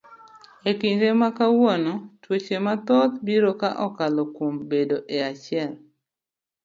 E kinde makawuono tuoche mathoth biro ka okalo kuom bedo e achiel.